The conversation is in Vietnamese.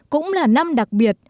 cũng là năm đặc biệt